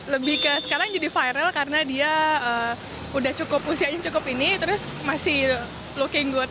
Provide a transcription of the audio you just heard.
lebih ke sekarang jadi viral karena dia udah cukup usianya cukup ini terus masih looking good